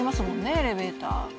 エレベーター。